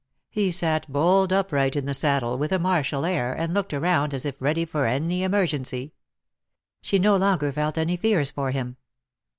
He sat bolt upright in the saddle, with a martial air, and looked around as if ready for any emergency. She no longer felt any fears for him.